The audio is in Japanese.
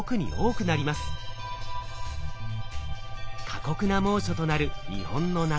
過酷な猛暑となる日本の夏。